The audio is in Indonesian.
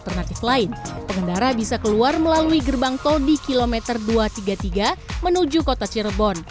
sementara itu di kota cirebon ada penumpang yang bisa keluar melalui gerbang tol di kilometer dua ratus tiga puluh tiga menuju kota cirebon